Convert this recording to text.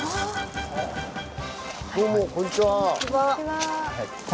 どうもこんにちは。